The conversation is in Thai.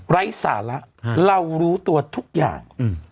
ไร้สาระเรารู้ตัวทุกอย่าง